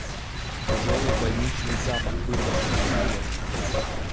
Тяжелый больничный запах вырвался из нее.